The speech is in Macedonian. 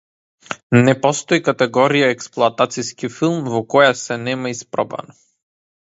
Не постои категорија експлоатациски филм во која се нема испробано.